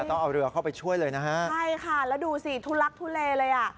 ต้องเอาเรือเข้าไปช่วยเลยนะฮะใช่ค่ะแล้วดูสิทุลักทุเลเลยอ่ะ